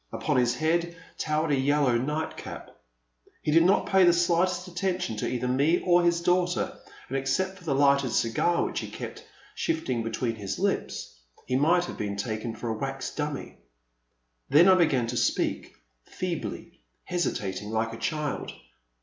Upon his head towered a yellow night cap. He did not pay the slightest attention to either me or his daughter, and, except for the lighted cigar which he kept shifting between his lips, he might have been taken for a wax dummy. Then I began to speak, feebly, hesitating like a child.